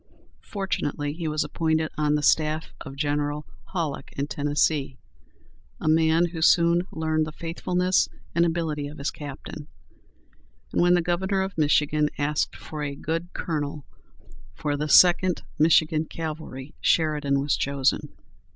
Fortunately he was appointed on the staff of General Halleck in Tennessee, a man who soon learned the faithfulness and ability of his captain; and when the Governor of Michigan asked for a good colonel for the Second Michigan Cavalry, Sheridan was chosen.